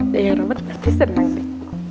ya ya rumah pasti seneng sih